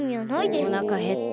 おなかへった。